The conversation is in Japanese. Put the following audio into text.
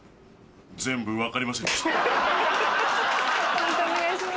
判定お願いします。